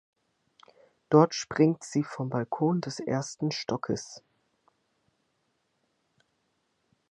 Dort springt sie vom Balkon des ersten Stockes.